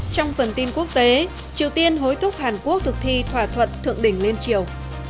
trong phần tin quốc tế triều tiên hối thúc hàn quốc thực thi thỏa thuận thượng đỉnh liên triều